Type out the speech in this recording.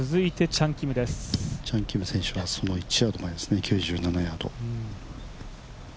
チャン・キム選手はその１ヤード前ですね、９７ヤード。